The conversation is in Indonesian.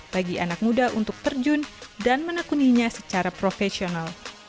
bagi anak muda untuk terjun dan menekuninya secara profesional